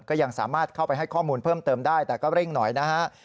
ก็ยังสามารถเข้าไปให้ข้อมูลเพิ่มเติมได้แต่ก็เร่งหน่อยนะฮะ